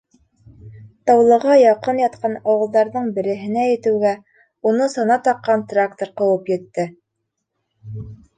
Таулыға яҡын ятҡан ауылдарҙың береһенә етеүгә, уны сана таҡҡан трактор ҡыуып етте.